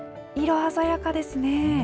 色鮮やかですね。